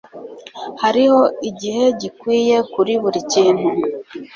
Hariho igihe gikwiye kuri buri kintu.